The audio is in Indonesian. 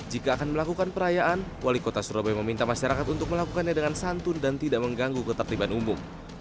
jika akan melakukan perayaan wali kota surabaya meminta masyarakat untuk melakukannya dengan santun dan tidak mengganggu ketertiban umum